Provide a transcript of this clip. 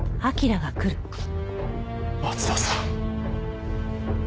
松田さん。